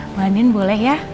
mbak andien boleh ya